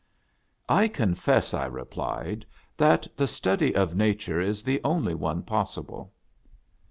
" I confess," I replied, " that the study of nature is the only one possible."